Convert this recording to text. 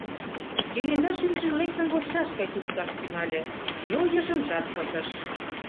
Кенета шӱмжӧ лектын вочшаш гай кӱлткаш тӱҥале, йол йыжыҥжат пытыш.